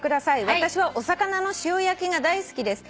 私はお魚の塩焼きが大好きです」